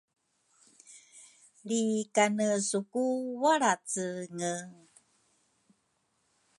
Lri kane su ku walracenge?